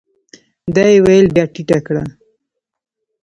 دا يې ويلې بيا ټيټه کړه ؟